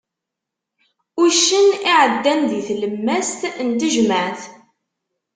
Uccen iɛeddan di tlemmast n tejmaɛt!